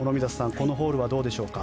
このホールはどうでしょうか。